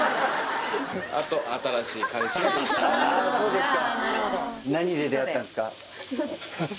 あそうですか。